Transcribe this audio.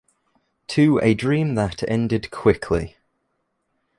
To a dream that ended quickly.